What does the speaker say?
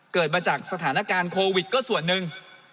เกิดมาจากสถานการณ์โควิดก็ส่วนหนึ่ง